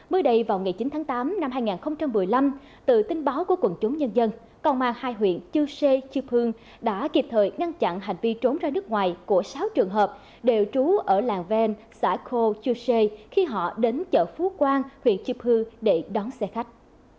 mới đây vào ngày chín tháng tám năm hai nghìn một mươi năm từ tin báo của quần chúng nhân dân công an hai huyện chư sê chư pương đã kịp thời ngăn chặn hành vi trốn ra nước ngoài của sáu trường hợp đều trú ở làng ven xã khô chư sê khi họ đến chợ phú quang huyện chư hương để đón xe khách